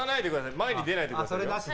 前に出ないでください。